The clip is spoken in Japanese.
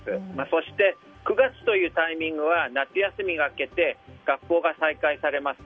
そして、９月というタイミングは夏休みが明けて学校が再開されます。